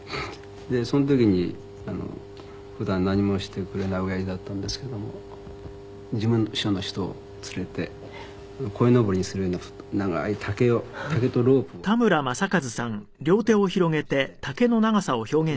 でその時に普段何もしてくれない親父だったんですけども事務所の人を連れて鯉のぼりにするような長い竹とロープを持ってそれでもって迎えに来てくれましてね。